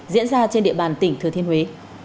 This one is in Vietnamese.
diễn ra trên địa bàn tỉnh thừa thiên huế